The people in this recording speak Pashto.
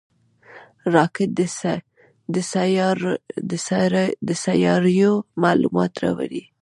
راکټ د سیارویو معلومات راوړي